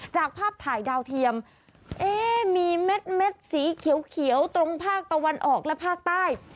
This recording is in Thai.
จากภาพถ่ายดาวเทียมมีเม็ดสีเขียวตรงภาคตะวันออกและภาคใต้